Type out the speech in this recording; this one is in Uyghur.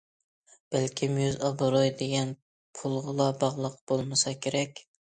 بەلكىم يۈز- ئابرۇي دېگەن پۇلغىلا باغلىق بولمىسا كېرەك.